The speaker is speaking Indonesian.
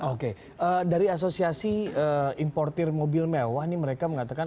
oke dari asosiasi importer mobil mewah ini mereka mengatakan